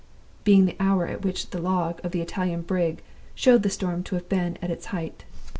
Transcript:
(being the hour at which the log of the Italian brig showed the storm to have been at its height).